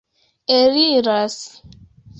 eliras